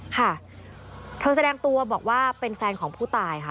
ค่ะเธอแสดงตัวบอกว่าเป็นแฟนของผู้ตายค่ะ